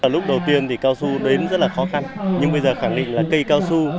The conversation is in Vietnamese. lúc đầu tiên thì casu đến rất là khó khăn nhưng bây giờ khẳng định là cây casu